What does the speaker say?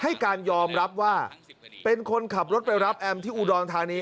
ให้การยอมรับว่าเป็นคนขับรถไปรับแอมที่อุดรธานี